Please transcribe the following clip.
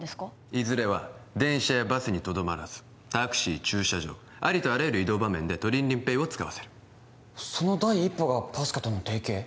いずれは電車やバスにとどまらずタクシー駐車場ありとあらゆる移動場面でトリンリンＰａｙを使わせるその第一歩がＰＡＳＣＡとの提携？